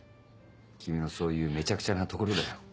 君のそういうめちゃくちゃなところだよ。